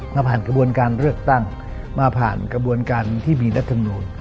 มาผ่านกระบวนการเลือกตั้งมาผ่านกระบวนการที่มีรัฐมนูล